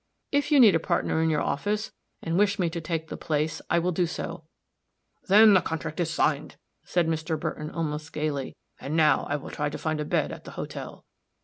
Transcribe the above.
"If you need a partner in your office, and wish me to take the place, I will do so." "Then the compact is signed," said Mr. Burton, almost gayly. "And now I will try to find a bed at the hotel."